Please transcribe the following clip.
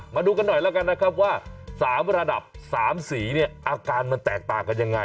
มาดูกันหน่อยแล้วกันนะครับว่า๓ระดับ๓สีเนี่ยอาการมันแตกต่างกันยังไง